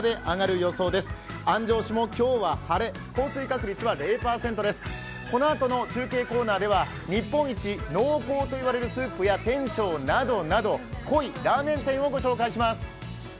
このあとの中継コーナーでは日本一濃厚と言われるスープや店長などなど濃いラーメン店をご紹介します。